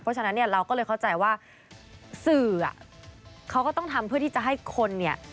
เพราะฉะนั้นเนี่ยเราก็เลยเข้าใจว่าสื่อเขาก็ต้องทำเพื่อที่จะให้คนเนี่ย